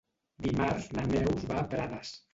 Dimarts na Neus va a Prades.